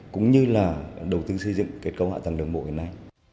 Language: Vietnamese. cũng như là đầu tư xây dựng kết cấu hạ tầng đường bộ như thế này